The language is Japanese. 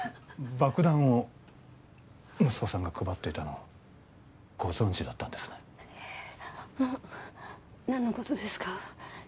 爆弾を息子さんが配っていたのご存じだったんですね何のことですか？